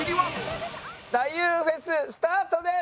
太夫フェススタートです。